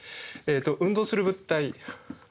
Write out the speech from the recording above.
運動する物体